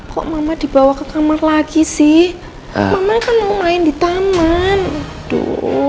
kok mama dibawa ke kamar lagi sih mama kan mau main di taman aduh